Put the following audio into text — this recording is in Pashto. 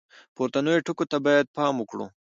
پورتنیو ټکو ته باید پام وکړو.